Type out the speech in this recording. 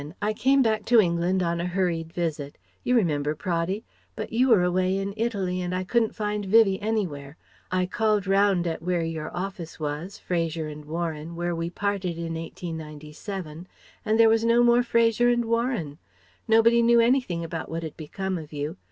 I came back to England on a hurried visit. You remember, Praddy? But you were away in Italy and I couldn't find Vivie anywhere. I called round at where your office was Fraser and Warren where we parted in 1897 and there was no more Fraser and Warren. Nobody knew anything about what had become of you.